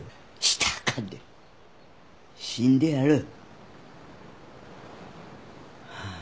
舌かんで死んでやる！